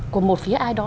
của một phía ai đó